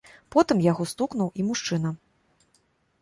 Потым яго стукнуў і мужчына.